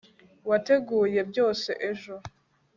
wateguye byose ejo